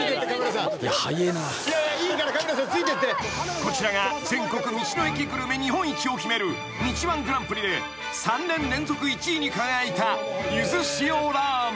［こちらが全国道の駅グルメ日本一を決める道−１グランプリで３年連続１位に輝いたゆず塩らめん］